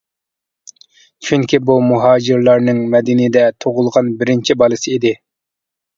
چۈنكى بۇ مۇھاجىرلارنىڭ مەدىنىدە تۇغۇلغان بىرىنچى بالىسى ئىدى.